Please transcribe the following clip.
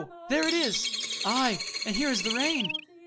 There it is!" "Aye, and here is the rain."